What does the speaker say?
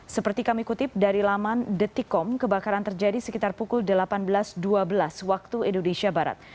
seperti kami kutip dari laman detikom kebakaran terjadi sekitar pukul delapan belas dua belas waktu indonesia barat